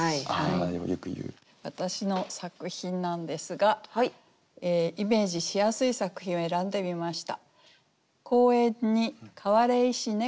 私の作品なんですがイメージしやすい作品を選んでみました。